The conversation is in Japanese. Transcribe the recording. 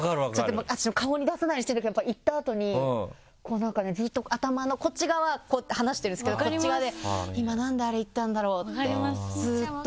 私も顔に出さないようにしてるんだけど言った後になんかねずっと頭のこっち側は話してるんですけどこっち側で「今なんであれ言ったんだろう」ってずっと思って。